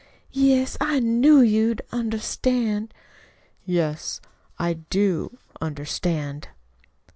"Yes, I knew you'd understand." "Yes, I do understand."